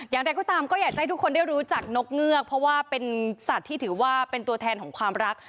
อย่างไรก็ตามก็อยากจะให้ทุกคนได้รู้จักนกเงือกเพราะว่าเป็นสัตว์ที่ถือว่าเป็นตัวแทนของความรัก